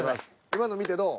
今の見てどう？